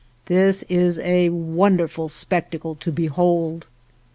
This is a wonderful spectacle to behold!